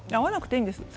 会わなくていいんです。